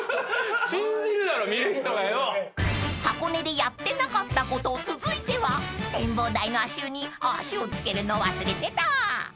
［箱根でやってなかったこと続いては展望台の足湯に足を漬けるの忘れてた］